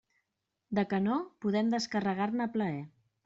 De canó, podem descarregar-ne a plaer.